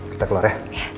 kita keluar ya